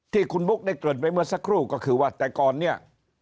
ที่คุณบุ๊คได้เกิดไปเมื่อสักครู่ก็คือว่าแต่ก่อนเนี่ย